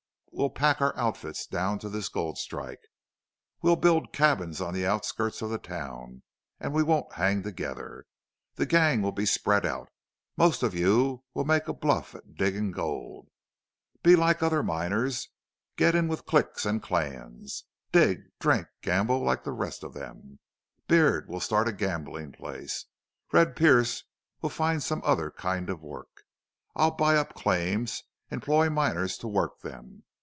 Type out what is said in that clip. We'll pack our outfits down to this gold strike. We'll build cabins on the outskirts of the town, and we won't hang together. The gang will be spread out. Most of you must make a bluff at digging gold. Be like other miners. Get in with cliques and clans. Dig, drink, gamble like the rest of them. Beard will start a gambling place. Red Pearce will find some other kind of work. I'll buy up claims employ miners to work them.